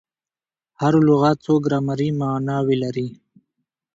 هر لغت څو ګرامري ماناوي لري.